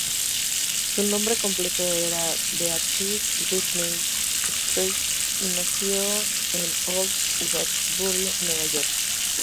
Su nombre completo era Beatrice Whitney Straight, y nació en Old Westbury, Nueva York.